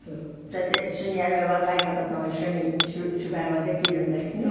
そうやって一緒にやれば若い方とも一緒に芝居もできるんだしね。